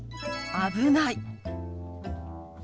危ない。